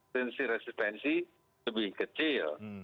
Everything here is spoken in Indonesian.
tensi resistensi lebih kecil